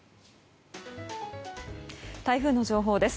台風の情報です。